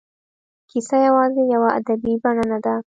کیسه یوازې یوه ادبي بڼه نه ده.